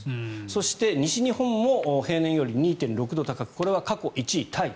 そして、西日本も平年より２．６度高くこれは過去１位タイ。